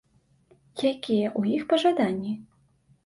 Якія ў іх пажаданні?